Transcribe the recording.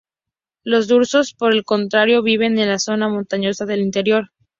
Los drusos por el contrario, viven en la zona montañosa del interior.